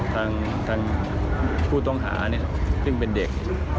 ทางผู้ต้องหาซึ่งเป็นเด็ก